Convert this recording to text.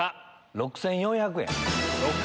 ６４００円。